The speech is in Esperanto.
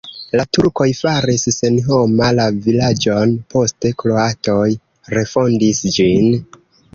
La turkoj faris senhoma la vilaĝon, poste kroatoj refondis ĝin.